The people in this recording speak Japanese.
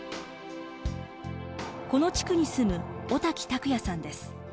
この地区に住む小滝卓也さんです。